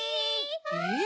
えっ？